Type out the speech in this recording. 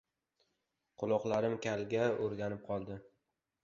Quloqlarim kalga o‘rganib qoldi.